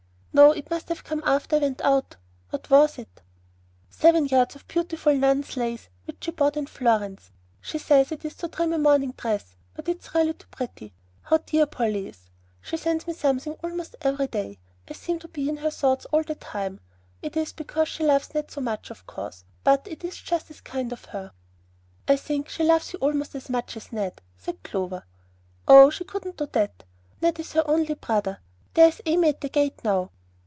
"No. It must have come after I went out. What was it?" "Seven yards of beautiful nun's lace which she bought in Florence. She says it is to trim a morning dress; but it's really too pretty. How dear Polly is! She sends me something almost every day. I seem to be in her thoughts all the time. It is because she loves Ned so much, of course; but it is just as kind of her." "I think she loves you almost as much as Ned," said Clover. "Oh, she couldn't do that; Ned is her only brother. There is Amy at the gate now."